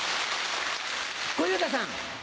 小遊三さん。